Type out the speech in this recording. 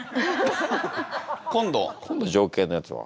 今度情景のやつは。